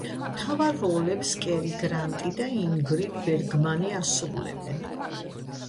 მთავარ როლებს კერი გრანტი და ინგრიდ ბერგმანი ასრულებენ.